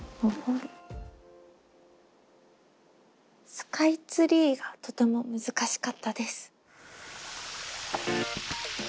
「スカイツリー」がとても難しかったです。